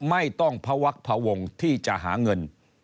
ไม่ต้องพวักพวงที่จะหาเงิน